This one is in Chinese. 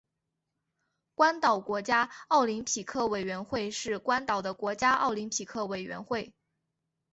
关岛国家奥林匹克委员会是关岛的国家奥林匹克委员会。